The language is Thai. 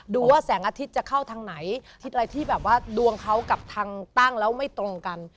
ดูว่าแสงอาทิตย์จะเข้าทางไหนทิศอะไรที่แบบว่าดวงเขากับทางตั้งแล้วไม่ตรงกัน